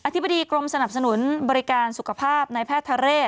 ธิบดีกรมสนับสนุนบริการสุขภาพในแพทย์ทะเรศ